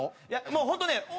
いやもう本当ね